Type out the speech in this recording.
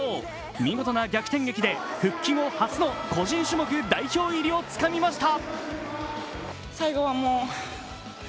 見事な逆転劇で、復帰後初の個人種目代表入りをつかみました。